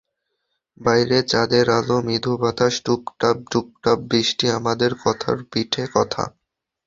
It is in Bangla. বাইরে চাঁদের আলো, মৃদু বাতাস, টুপটাপ টুপটাপ বৃষ্টি, আমাদের কথার পিঠে কথা।